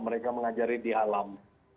mereka mengajari di alam